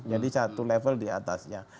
jadi satu level diatasnya